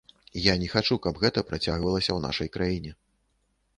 Я не хачу, каб гэта працягвалася ў нашай краіне.